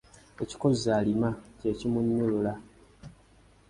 Ekikozza alima, kye kimunnyulula.